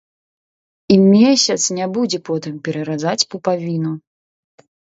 І месяц не будзе потым пераразаць пупавіну.